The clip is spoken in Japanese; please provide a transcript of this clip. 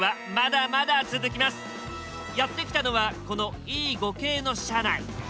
やって来たのはこのＥ５系の車内。